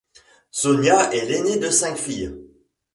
Sonia est l'aînée de cinq filles.